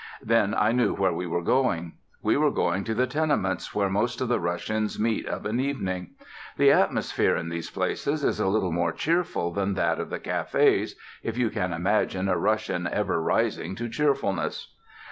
Then I knew where we were going. We were going to the tenements where most of the Russians meet of an evening. The atmosphere in these places is a little more cheerful than that of the cafés if you can imagine a Russian ever rising to cheerfulness.